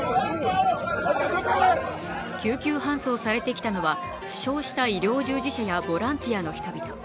救急搬送されてきたのは負傷した医療従事者やボランティアの人々。